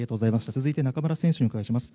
続いて中村選手にお伺いします。